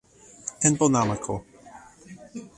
tenpo namako.